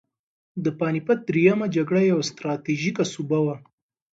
د پاني پت درېیمه جګړه یوه ستراتیژیکه سوبه وه.